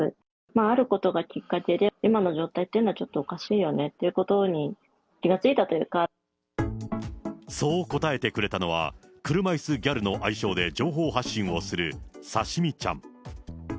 あることがきっかけで、今の状態っていうのはちょっとおかしいよねっていうことに気が付そう答えてくれたのは、車いすギャルの愛称で情報発信をするさしみちゃん。